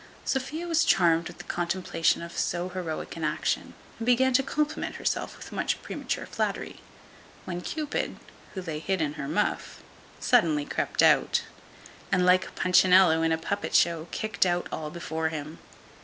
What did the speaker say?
Sophia was charmed with the contemplation of so heroic an action, and began to compliment herself with much premature flattery, when Cupid, who lay hid in her muff, suddenly crept out, and like Punchinello in a puppet show, kicked all out before him.